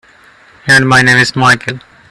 And my name's Michael.